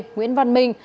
nguyễn văn minh